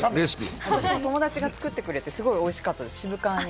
私、友達が作ってくれて、すごく美味しかったです。